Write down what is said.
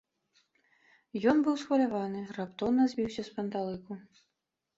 Ён быў усхваляваны, раптоўна збіўся з панталыку.